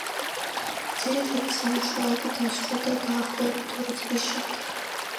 ძირითადი სამუშაოები დასრულდა დაახლოებით ორი წლის შემდეგ.